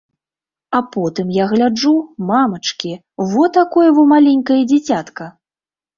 А потым я гляджу, мамачкі, во такое во маленькае дзіцятка!